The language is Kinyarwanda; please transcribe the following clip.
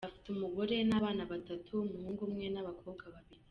Afite umugore n’abana batatu, umuhungu umwe n’abakobwa babiri.